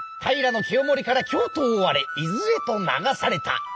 平清盛から京都を追われ伊豆へと流された。